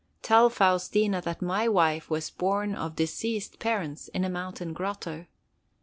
Tell Faustina that my wife was born of diseased parents in a mountain grotto.